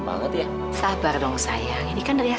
kami tidak bisa berhubung dengan anda